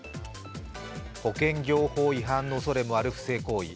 保険業法違法のおそれもある不正行為。